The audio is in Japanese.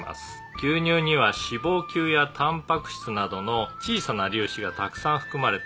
「牛乳には脂肪球やタンパク質などの小さな粒子がたくさん含まれています」